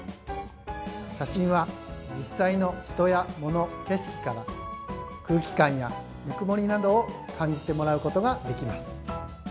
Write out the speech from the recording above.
写真は実際の人や物景色から空気感やぬくもりなどを感じてもらうことができます。